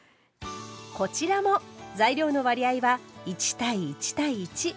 こちらも材料の割合は１：１：１。